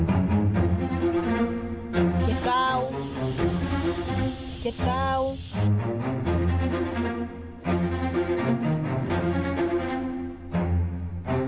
เจ็ดเก้านะ